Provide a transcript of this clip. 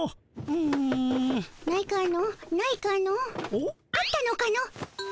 おっ？あったのかの？